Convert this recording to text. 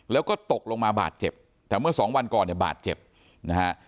แล้วก็ตกลงมาบาดเจ็บแต่เมื่อสองวันก่อนเนี่ยบาดเจ็บนะฮะ